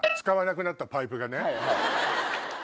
使わなくなったパイプがね。